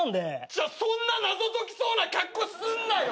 じゃあそんな謎解きそうな格好すんなよ！